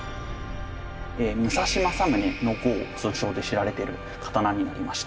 武蔵正宗の号通称で知られてる刀になりまして。